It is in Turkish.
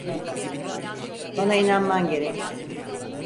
Bana inanman gerek.